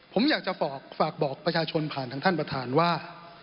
ผมอยากจะฝากบอกประชาชนผ่านทางท่านประธานว่า